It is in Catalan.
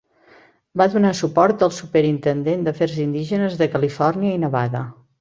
Va donar suport al Superintendent d'afers indígenes de Califòrnia i Nevada.